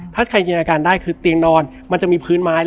ถ้าใครจินอาการได้คือเตียงนอนมันจะมีพื้นไม้